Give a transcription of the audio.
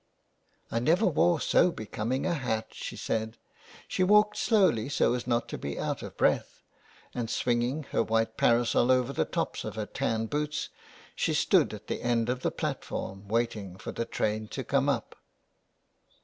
" I never wore so becoming a hat," she said. She walked slowly so as not to be out of breath, and, swinging her white parasol over the tops of her tan boots, she stood at the end of the platform waiting for the train to come up.